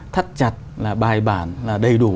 thắt chặt là bài bản là đầy đủ